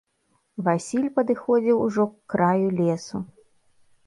Васіль падыходзіў ужо к краю лесу.